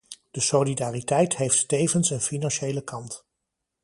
De solidariteit heeft tevens een financiële kant.